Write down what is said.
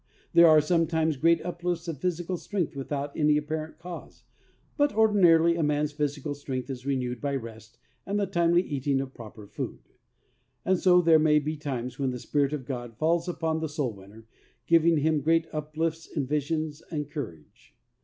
There are sometimes great uplifts of physi cal strength without any apparent cause, THE RENEWING OF POWER. 89 but ordinarily a man's physical strength is renewed by rest and the timely eating of proper food. And so there may be times when the Spirit of God falls upon the soul winner, giving him great uplifts and visions and courage.